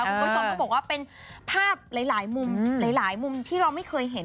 คุณผู้ชมต้องบอกว่าเป็นภาพหลายมุมหลายมุมที่เราไม่เคยเห็น